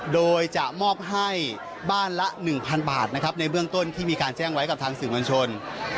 โดยจะมอบให้บ้านละ๑๐๐บาทนะครับในเบื้องต้นที่มีการแจ้งไว้กับทางสื่อมวลชน